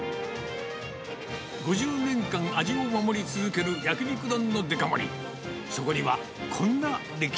５０年間味を守り続けるやきにく丼のデカ盛り。